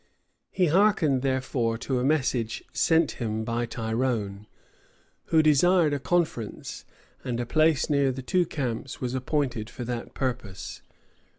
He hearkened, therefore, to a message sent him by Tyrone, who desired a conference; and a place near the two camps was appointed for that purpose.